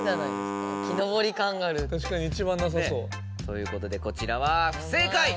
たしかにいちばんなさそう。ということでこちらは不正解！